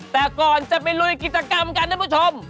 แต่ก่อนจะไปลุยกิจกรรมกันท่านผู้ชม